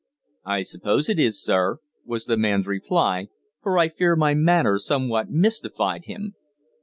"I suppose it is, sir," was the man's reply, for I fear my manner somewhat mystified him.